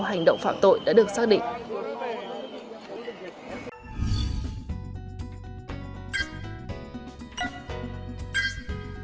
hành động phạm tội đã được xác định